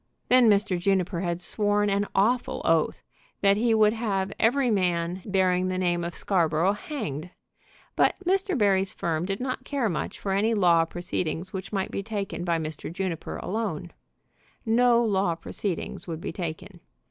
Then Mr. Juniper had sworn an awful oath that he would have every man bearing the name of Scarborough hanged. But Mr. Barry's firm did not care much for any law proceedings which might be taken by Mr. Juniper alone. No law proceedings would be taken.